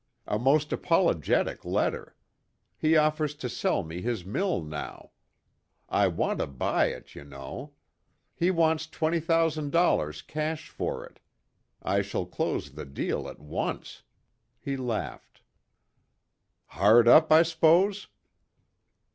A most apologetic letter. He offers to sell me his mill now. I wanted to buy it, you know. He wants twenty thousand dollars cash for it. I shall close the deal at once." He laughed. "Hard up, I s'pose?"